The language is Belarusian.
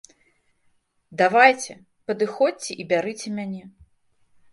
Давайце, падыходзьце і бярыце мяне.